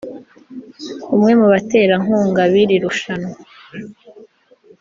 umwe mu baterankunga b’iri rushanwa